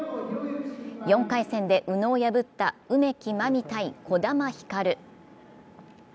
４回戦で宇野を破った梅木真美×児玉ひかる。